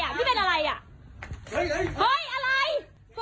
ใส่สีแบบนี้แล้วนะครับ